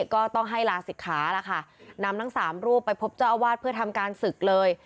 ก็ต้องให้ลาศิกขาล่ะค่ะนำทั้งสามรูปไปพบเจ้าอาวาสเพื่อทำการศึกเลย